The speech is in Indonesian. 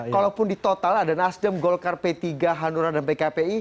kalaupun di total ada nasdem golkar p tiga hanura dan pkpi